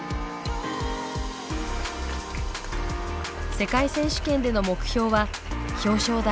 世界選手権での目標は表彰台。